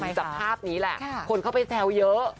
มีสภาพนี้แหละคนเขาไปก็แซวเยอะ